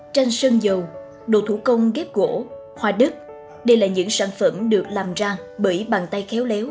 tranh sơn dầu đồ thủ công ghép gỗ hoa đất đây là những sản phẩm được làm ra bởi bàn tay khéo léo